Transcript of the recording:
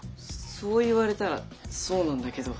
そう言われたらそうなんだけど。